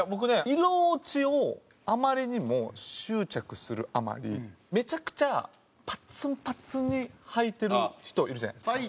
色落ちをあまりにも執着するあまりめちゃくちゃパッツンパッツンに穿いてる人いるじゃないですか。